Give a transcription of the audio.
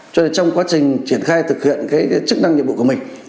cho nên trong quá trình triển khai thực hiện cái chức năng nhiệm vụ của mình